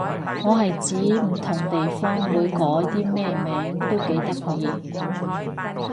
我係指唔同地方會改啲咩名都幾得意